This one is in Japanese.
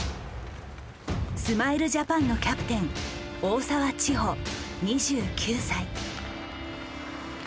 スマイルジャパンのキャプテン大澤ちほ２９歳。